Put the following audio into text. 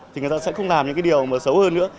thì người ta sẽ không làm những cái điều mà xấu hơn nữa